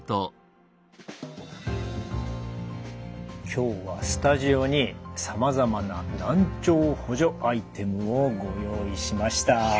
今日はスタジオにさまざまな難聴補助アイテムをご用意しました。